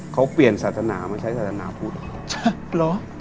เขาเปลี่ยนสัตนามาใช้สัตนาพุทธ